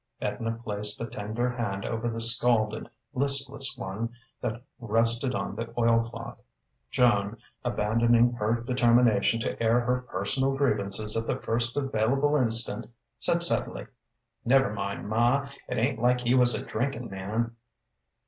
Edna placed a tender hand over the scalded, listless one that rested on the oilcloth. Joan, abandoning her determination to air her personal grievances at the first available instant, said suddenly: "Never mind, ma. It ain't like he was a drinking man."